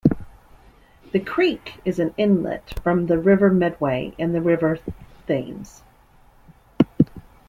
The creek is an inlet from the River Medway and the River Thames.